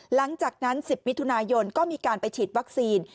หลังจากนั้น๑๐มิถุนายนก็มีการไปฉีดวัคซีน